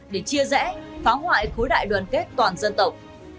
để chia rẽ phá hoại khối đại đoàn kết toàn dân tộc